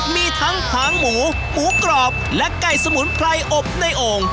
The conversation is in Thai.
มีทั้งหางหมูหมูกรอบและไก่สมุนไพรอบในโอ่ง